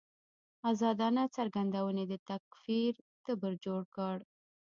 ازادانه څرګندونې د تکفیر تبر جوړ کړ.